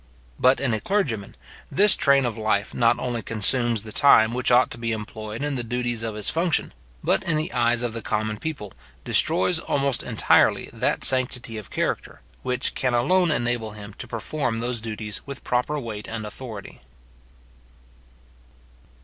But in a clergyman, this train of life not only consumes the time which ought to be employed in the duties of his function, but in the eyes of the common people, destroys almost entirely that sanctity of character, which can alone enable him to perform those duties with proper weight and authority.